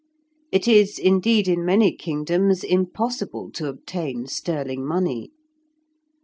It is, indeed, in many kingdoms impossible to obtain sterling money.